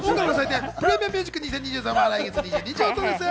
『ＰｒｅｍｉｕｍＭｕｓｉｃ２０２３』は来月２２日放送です。